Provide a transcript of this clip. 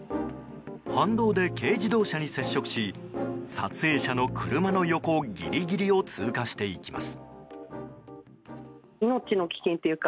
反動で軽自動車に接触し撮影者の車の横ギリギリを通過していきます。